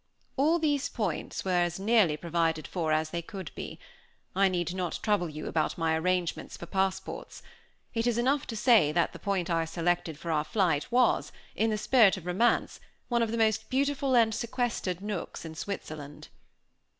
All these points were as nearly provided for as, they could be. I need not trouble you about my arrangements for passports. It is enough to say that the point I selected for our flight was, in the spirit of romance, one of the most beautiful and sequestered nooks in Switzerland.